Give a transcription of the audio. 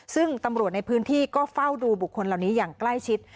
ซึ่งตำรวจในพื้นที่ก็เฝ้าดูบุคคลเหล่านี้อย่างใกล้ชิด